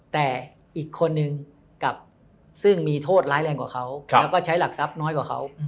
แต่อีกคนนึงกลับซึ่งมีโทษร้ายแรงกว่าเขาแล้วก็ใช้หลักทรัพย์น้อยกว่าเขา